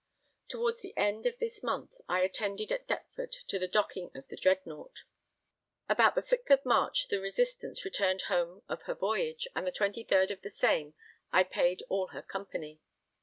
Towards the end of this month I attended at Deptford to the docking of the Dreadnought. About the 6th of March, the Resistance returned home of her voyage, and the 23rd of the same I paid all her company.